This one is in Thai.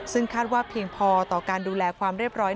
ซึ่งคาดว่าเพียงพอต่อการดูแลความเรียบร้อย